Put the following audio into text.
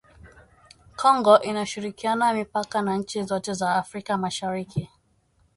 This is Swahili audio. Kongo inashirikiana mipaka na nchi zote za Afrika Mashariki